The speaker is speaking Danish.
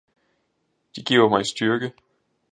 De giver mig styrke.